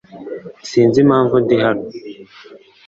Sinzi impamvu ndi hano .